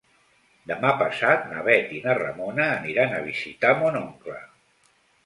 Demà passat na Bet i na Ramona aniran a visitar mon oncle.